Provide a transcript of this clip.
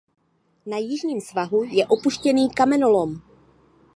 Na jižním svahu je opuštěný kamenolom.